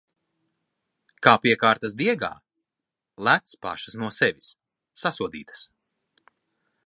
Kā piekārtas diegā... Lec pašas no sevis! Sasodītas!